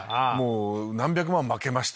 何百万負けました